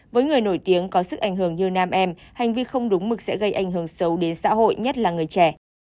với người nổi tiếng có sức ảnh hưởng như nam em hành vi không đúng mực sẽ gây ảnh hưởng sâu đến xã hội nhất là người trẻ